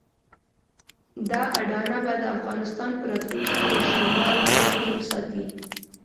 دا اډانه به د افغانستان په راتلونکي کې د شمال ګټې وساتي.